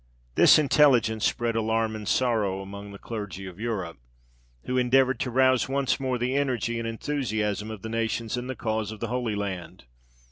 This intelligence spread alarm and sorrow among the clergy of Europe, who endeavoured to rouse once more the energy and enthusiasm of the nations in the cause of the Holy Land.